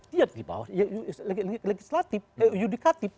dia di bawah yang legislatif yudikatif